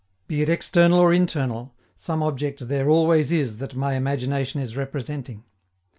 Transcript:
Be it external or internal, some object there always is that my imagination is representing.